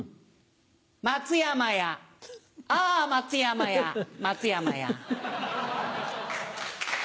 松山やああ松山や松山や。